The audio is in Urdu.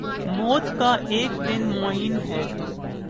موت کا ایک دن معین ہے